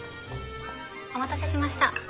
お待たせしました。